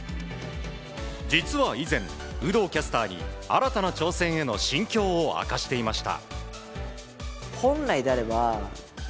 実は以前、有働キャスターに新たな挑戦への心境を明かしていました。